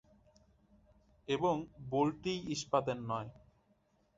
এবং বোল্টটি ইস্পাতের নয়।